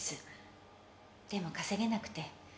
「でも稼げなくて」